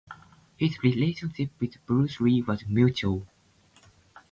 His relationship with Bruce Lee was mutual.